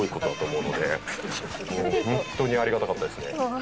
ホントにありがたかったですね。